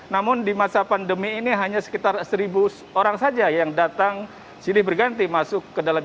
namun di masa pandemi ini hanya sekitar seribu orang saja yang datang silih berganti masuk ke dalam